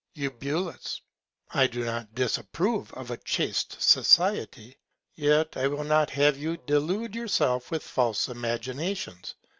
Eu. I do not disapprove of a chaste Society: Yet I would not have you delude yourself with false Imaginations.